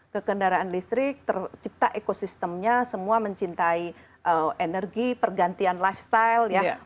ke kendaraan listrik tercipta ekosistemnya semua mencintai energi pergantian lifestyle ya